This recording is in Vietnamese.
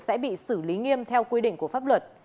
sẽ bị xử lý nghiêm theo quy định của pháp luật